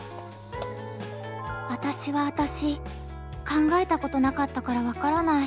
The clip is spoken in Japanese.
考えたことなかったからわからない。